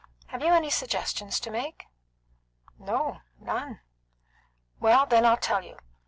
Have you any suggestion to make?" "No, none." "Then I'll tell you.